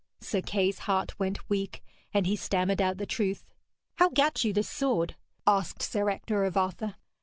Sir Kay's heart went weak, and he stammered out the truth. 'How gat you this sword?' asked Sir Ector of Arthur.